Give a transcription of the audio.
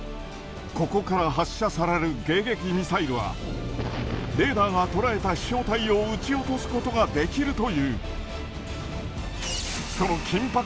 ここから発射される迎撃ミサイルは、レーダーが捉えた飛しょう体を撃ち落とすことができるという。